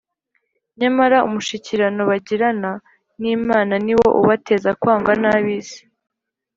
nyamara umushikirano bagirana n’imana ni wo ubateza kwangwa n’ab’isi